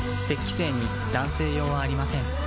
精に男性用はありません